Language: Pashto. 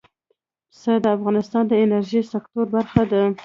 پسه د افغانستان د انرژۍ سکتور برخه ده.